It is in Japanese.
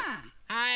はい！